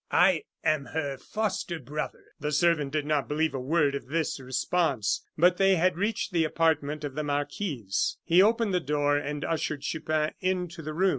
"I am her foster brother." The servant did not believe a word of this response; but they had reached the apartment of the marquise, he opened the door and ushered Chupin into the room.